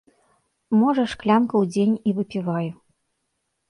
Можа, шклянку ў дзень і выпіваю.